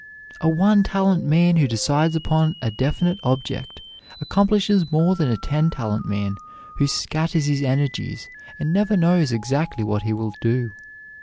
A one talent man who decides upon a definite object accomplishes more than a ten talent man who scatters his energies and never knows exactly what he will do.